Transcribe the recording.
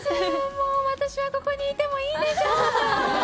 私はここにいてもいいんでしょうか！